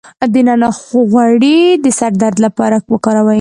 د نعناع غوړي د سر درد لپاره وکاروئ